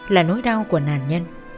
là nỗi đau của nạn nhân